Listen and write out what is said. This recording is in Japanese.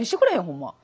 ほんま。